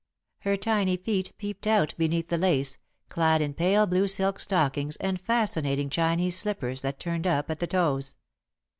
Her tiny feet peeped out beneath the lace, clad in pale blue silk stockings and fascinating Chinese slippers that turned up at the toes.